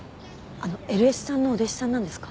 あのエルエスさんのお弟子さんなんですか？